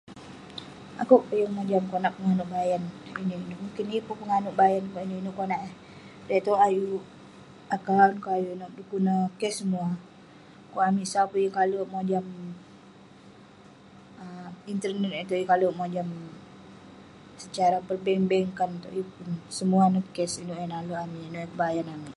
Akouk peh yeng mojam konak penganouk bayan inouk inouk. Mukin yeng pun penganouk bayan inouk inouk konak eh dai itouk ayuk akaun kek ayuk inouk. Dekuk neh cash semua. Kuk amik sau peh yeng kale mojam um internet itouk, yeng kale mojam secara perbank-bankan itouk. Yeng pun. Semuah neh cash, inouk eh nale amik, inouk eh kebayan amik.